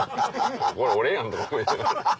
これ俺やん！とか思って。